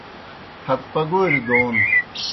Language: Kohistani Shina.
ہت پگوریْ دون